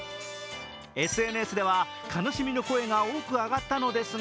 ＳＮＳでは、悲しみの声が多く上がったのですが、